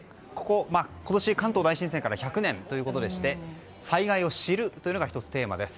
今年、関東大震災から１００年ということでして「災害をしる」というのが１つテーマです。